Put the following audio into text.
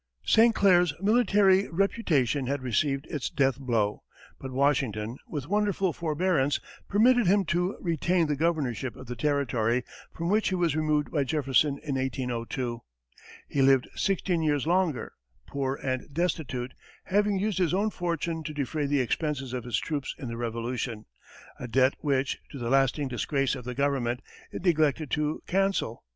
St. Clair's military reputation had received its death blow, but Washington, with wonderful forbearance, permitted him to retain the governorship of the Territory, from which he was removed by Jefferson in 1802. He lived sixteen years longer, poor and destitute, having used his own fortune to defray the expenses of his troops in the Revolution a debt which, to the lasting disgrace of the government, it neglected to cancel.